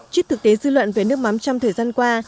trước thực tế dư luận về nước mắm trong thời gian qua